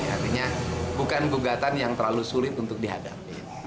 artinya bukan gugatan yang terlalu sulit untuk dihadapi